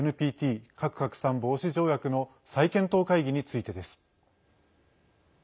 ＮＰＴ＝核拡散防止条約の再検討会議についてです。